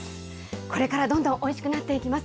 これからどんどんおいしくなっていきます。